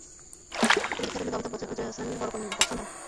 তিনি বিখ্যাত অভিনেতা অমিতাভ বচ্চন ও জয়া বচ্চনের সন্তান।